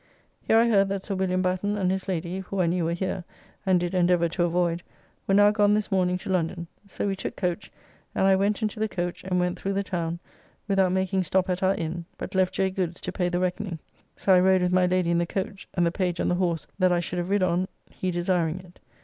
Here I heard that Sir William Batten and his lady (who I knew were here, and did endeavour to avoyd) were now gone this morning to London. So we took coach, and I went into the coach, and went through the town, without making stop at our inn, but left J. Goods to pay the reckoning. So I rode with my lady in the coach, and the page on the horse that I should have rid on he desiring it.